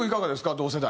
同世代。